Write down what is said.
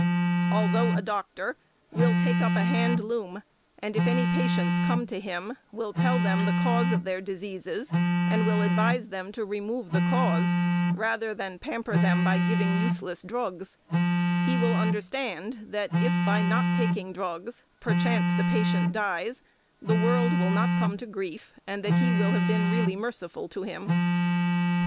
although a doctor, will take up a hand loom and, if any patients come to him, will tell them the cause of their diseases, and will advise them to remove the cause, rather than pamper them by giving useless drugs; he will understand that, if by not taking drugs, perchance the patient dies, the world will not come to grief, and that he will have been really merciful to him; 9.